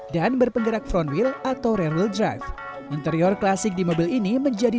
dan berpenggerak front wheel atau rear wheel drive interior klasik di mobil ini menjadi